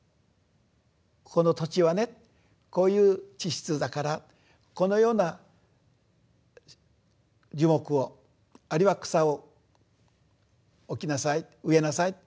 ここの土地はねこういう地質だからこのような樹木をあるいは草を置きなさい植えなさい。